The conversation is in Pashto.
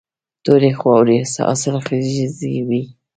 تورې خاورې حاصلخیزې وي.